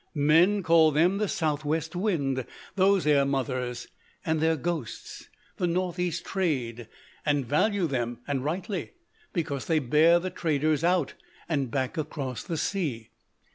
Men call them the southwest wind, those air mothers: and their ghosts, the northeast trade; and value them, and rightly; because they bear the traders out and back across the sea."